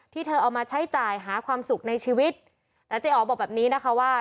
เธอเอามาใช้จ่ายหาความสุขในชีวิตแต่เจ๊อ๋อบอกแบบนี้นะคะว่า